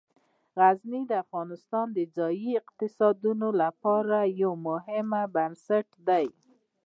غزني د افغانستان د ځایي اقتصادونو لپاره یو مهم بنسټ دی.